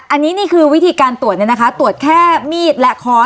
อันนี้คือวิธีการตรวจตรวจแค่มีดและคอร์ส